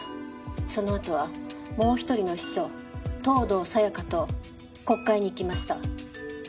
そのあとはもう一人の秘書藤堂沙也加と国会に行きました。